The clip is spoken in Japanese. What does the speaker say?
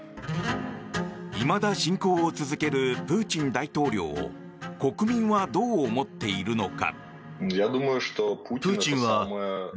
いまだ侵攻を続けるプーチン大統領を国民はどう思っているのか。